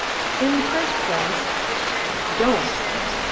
In the first place " "_Don't!